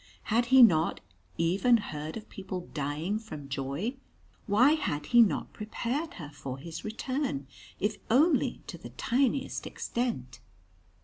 Had he not even heard of people dying from joy? Why had he not prepared her for his return, if only to the tiniest extent?